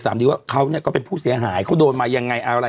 ขอบคุณนะครับขอบคุณนะครับขอบคุณนะครับ